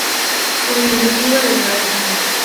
Por iniciativa del Mtro.